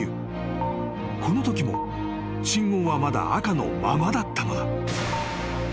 ［このときも信号はまだ赤のままだったのだ］